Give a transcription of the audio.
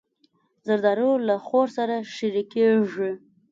زردالو له خور سره شریکېږي.